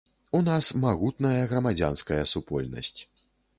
У нас магутная грамадзянская супольнасць.